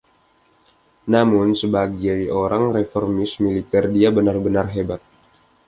Namun, sebagai seorang reformis militer, dia benar-benar hebat.